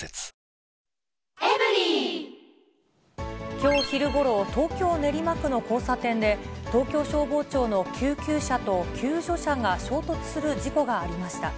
きょう昼ごろ、東京・練馬区の交差点で、東京消防庁の救急車と救助車が衝突する事故がありました。